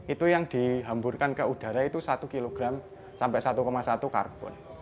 itu yang dihamburkan ke udara itu satu kg sampai satu satu karbon